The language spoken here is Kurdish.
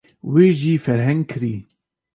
Wê jî ferheng kirî.